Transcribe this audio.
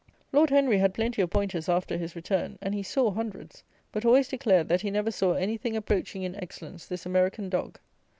Lord Henry had plenty of pointers after his return, and he saw hundreds; but always declared, that he never saw any thing approaching in excellence this American dog.